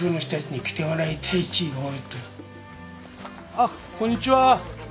あっこんにちは。